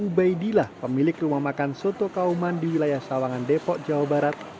ubaidillah pemilik rumah makan soto kauman di wilayah sawangan depok jawa barat